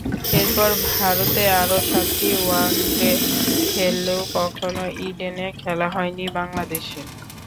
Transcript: এরপর ভারতে আরও সাতটি ওয়ানডে খেললেও কখনো ইডেনে খেলা হয়নি বাংলাদেশের।